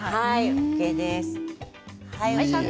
ＯＫです。